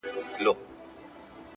د شنو خالونو د ټومبلو کيسه ختمه نه ده!!